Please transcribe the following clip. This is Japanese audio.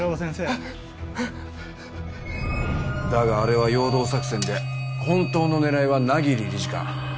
だがあれは陽動作戦で本当の狙いは百鬼理事官。